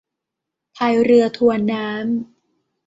พายเรือทวนน้ำ